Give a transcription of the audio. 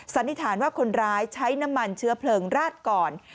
สันนิษฐานว่าคนร้ายใช้น้ำมันเชื้อเพลิงราดก่อน